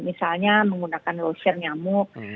misalnya menggunakan loyer nyamuk